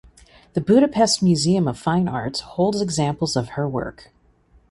The Budapest Museum of Fine Arts holds examples of her work.